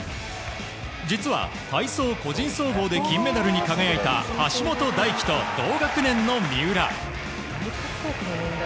実は体操個人総合で金メダルに輝いた橋本大輝と同学年の三浦。